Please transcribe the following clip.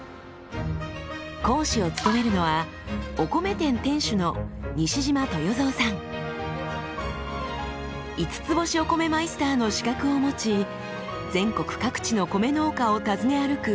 講師を務めるのは五ツ星お米マイスターの資格を持ち全国各地の米農家を訪ね歩く現場主義。